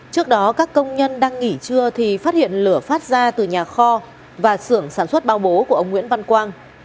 trước đó các công nhân đang nghỉ trưa thì phát hiện lửa phát ra từ nhà kho và xưởng sản xuất bao bố của ông nguyễn văn quang